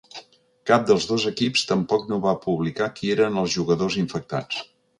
Cap dels dos equips tampoc no va publicar qui eren els jugadors infectats.